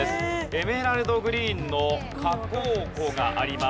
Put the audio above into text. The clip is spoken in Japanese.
エメラルドグリーンの火口湖があります。